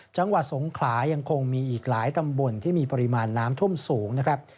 จังหวัดสงขลายังคงมีอีกหลายตำบลที่มีปริมาณน้ำท่วมสูงนะครับ